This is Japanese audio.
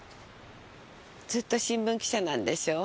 ずっと新聞記者なんでしょう？